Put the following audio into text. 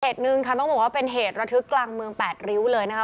หนึ่งค่ะต้องบอกว่าเป็นเหตุระทึกกลางเมืองแปดริ้วเลยนะคะ